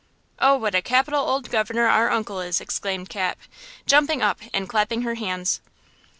"Oh, what a capital old governor our uncle is!" exclaimed Cap, jumping up and clapping her hands.